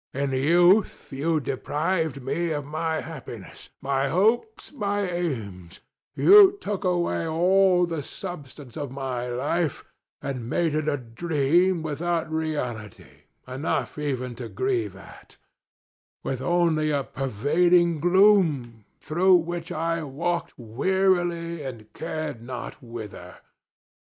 In youth you deprived me of my happiness, my hopes, my aims; you took away all the substance of my life and made it a dream without reality enough even to grieve at—with only a pervading gloom, through which I walked wearily and cared not whither.